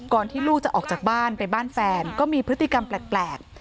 ที่ลูกจะออกจากบ้านไปบ้านแฟนก็มีพฤติกรรมแปลก